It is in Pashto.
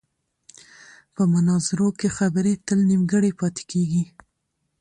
په مناظرو کې خبرې تل نیمګړې پاتې کېږي.